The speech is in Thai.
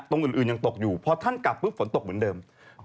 ตรงอื่นยังตกอยู่พอท่านกลับปุ๊บฝนตกเหมือนเดิม